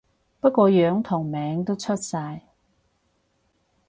不過樣同名都出晒